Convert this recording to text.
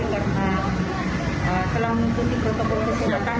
karena telah mengikuti protokol kesehatan